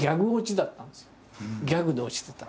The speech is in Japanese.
ギャグで落ちてたの。